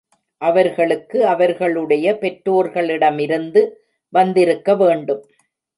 அவர்களுக்கு அவர்களுடைய பெற்றோர்களிடமிருந்து வந்திருக்கவேண்டும்.